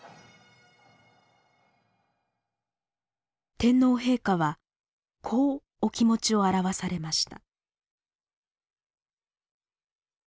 天皇陛下はこうお気持ちをあらわされました。